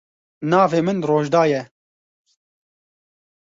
Navê min Rojda ye.